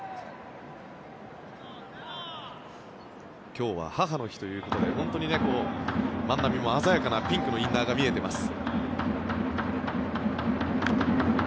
今日は母の日ということで本当に万波も鮮やかなピンクのインナーが見えています。